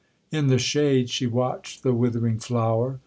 In the shade she watched the withering flower.